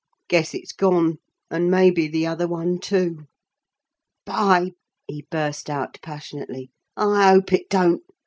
Guess it's gone and maybe the other one too." "By !" he burst out passionately: "I hope it don't.